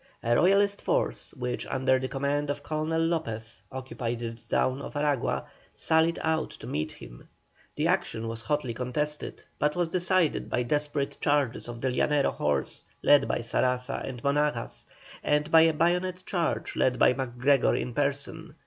A Royalist force, which, under the command of Colonel Lopez, occupied the town of Aragua, sallied out to meet him. The action was hotly contested, but was decided by desperate charges of the Llanero horse led by Saraza and Monagas, and by a bayonet charge led by MacGregor in person.